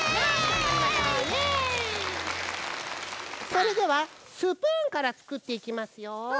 それではスプーンからつくっていきますよ。